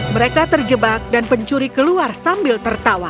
mereka terjebak dan pencuri keluar sambil tertawa